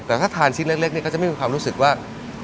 แต่ถ้าทานชิ้นเล็กเนี่ยก็จะไม่มีความรู้สึกว่า